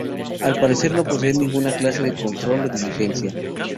Al parecer no poseen ninguna clase de control o diligencia.